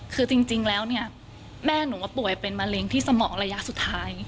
คือจริงแล้วเนี่ยแม่หนูว่าป่วยเป็นมะเร็งที่สมองระยะสุดท้าย